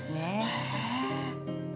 へえ。